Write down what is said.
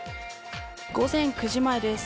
午前９時前です。